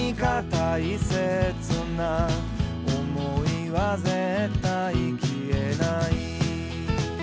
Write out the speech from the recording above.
「大切な想いは絶対消えない」